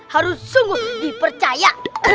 harus sungguh dipercaya